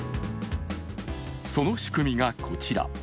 その仕組みがこちら。